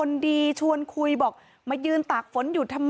มีชายแปลกหน้า๓คนผ่านมาทำทีเป็นช่วยค่างทาง